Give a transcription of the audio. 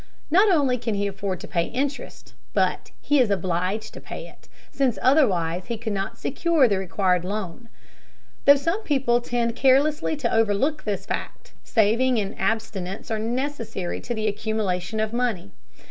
Not only can he afford to pay interest, but he is obliged to pay it, since otherwise he could not secure the required loan. Though some people tend carelessly to overlook this fact, saving and abstinence are necessary to the accumulation of money.